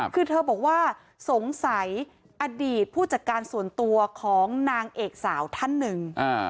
คือเธอบอกว่าสงสัยอดีตผู้จัดการส่วนตัวของนางเอกสาวท่านหนึ่ง